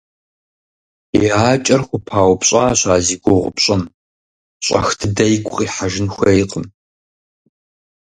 И акӀэр хупаупщӀащ а зи гугъу пщӀым, щӀэх дыдэ игу къихьэжын хуейкъым.